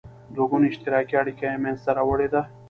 دوه ګوني اشتراکي اړیکه یې مینځته راوړې ده.